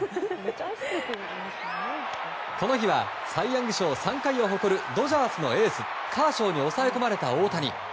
この日はサイ・ヤング賞３回を誇るドジャースのエースカーショーに抑え込まれた大谷。